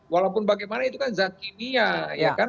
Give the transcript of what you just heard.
walaupun bagaimana itu kan zat kimia ya kan